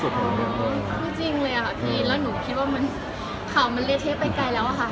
คือจริงเลยอะค่ะพี่แล้วหนูคิดว่าข่าวมันเละเทะไปไกลแล้วอะค่ะ